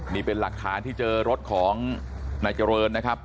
นี่เป็นหลักฐานที่เจอรถของนายเจริญนะครับ